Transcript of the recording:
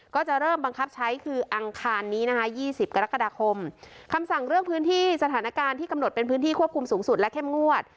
ก็จะเริ่มบังคับใช้คืออังคารนี้นะคะ๒๐กรกฎาคมคำสั่งเรื่องพื้นที่สถานการณ์ที่กำหนดเป็นพื้นที่ควบคุมสูงสุดและเข้มงวด